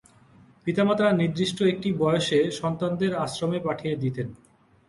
পিতা-মাতা নির্দিষ্ট একটি বয়সে সন্তানদের আশ্রমে পাঠিয়ে দিতেন।